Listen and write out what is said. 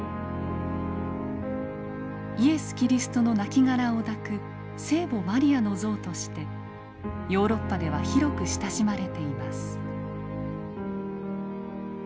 イエス・キリストの亡骸を抱く聖母マリアの像としてヨーロッパでは広く親しまれています。